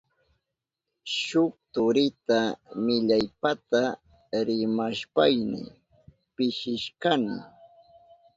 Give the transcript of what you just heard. Shuk turita millaypata rimashpayni pishishkani.